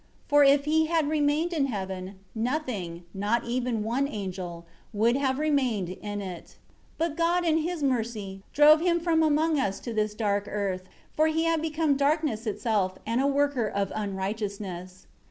For if he had remained in heaven, nothing, not even one angel would have remained in it. 14 But God in His mercy, drove him from among us to this dark earth; for he had become darkness itself and a worker of unrighteousness.